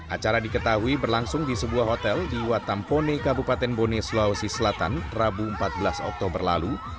acara diketahui berlangsung di sebuah hotel di watampone kabupaten bone sulawesi selatan rabu empat belas oktober lalu